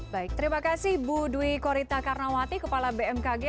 baik terima kasih bu dwi korita karnawati kepala bmkg